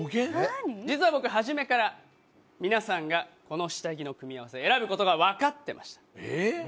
実は僕、初めから皆さんがこの下着の組み合わせを選ぶことは分かっていました。